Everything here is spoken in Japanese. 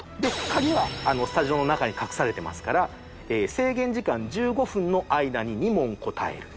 カギはスタジオの中に隠されてますから制限時間１５分の間に２問答える。